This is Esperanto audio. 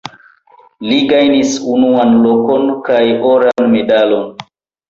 Li gajnis unuan lokon kaj oran medalon.